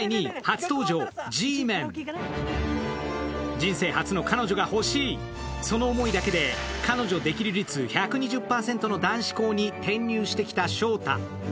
人生初の彼女が欲しい、その思いだけで彼女できる率１２０％の男子校に転入してきた勝太。